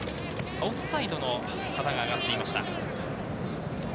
オフサイドの旗が上がっていました。